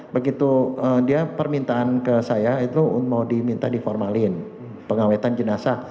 begitu dia permintaan ke saya itu mau diminta diformalin pengawetan jenazah